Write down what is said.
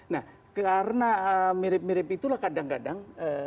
nah karena mirip mirip itulah kadang kadang